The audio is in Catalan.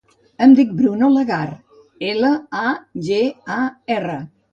Em dic Bruno Lagar: ela, a, ge, a, erra.